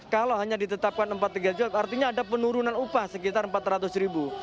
kalau hanya ditetapkan rp empat tiga juta artinya ada penurunan upah sekitar empat ratus ribu